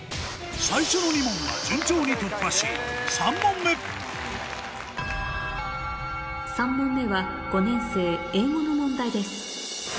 最初の２問は順調に突破し３問目３問目は５年生英語の問題です